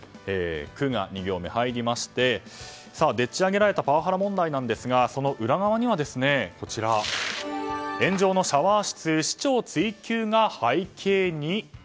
「ク」が２行目に入りましてでっち上げられたパワハラ問題ですがその裏側には、炎上のシャワー室市長追及が背景に？